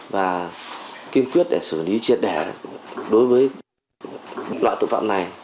và kiên quyết để xử lý triệt đẻ đối với loại tội phạm này